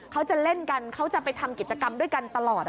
เขาจะเล่นกันเขาจะไปทำกิจกรรมด้วยกันตลอด